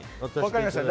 分かりました。